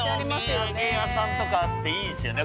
お土産屋さんとかあっていいですよね。